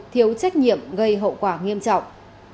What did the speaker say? thiếu trách nhiệm gây hậu quả nghiêm trọng